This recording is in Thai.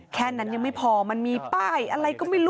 แค่นั้นยังไม่พอมันมีป้ายอะไรก็ไม่รู้